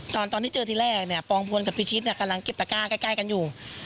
ตอนที่เจอที่แรกเนี่ยปองพลกับพิชิตเนี่ยกำลังเก็บตะก้าใกล้กันอยู่